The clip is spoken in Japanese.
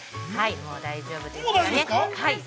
もう大丈夫です。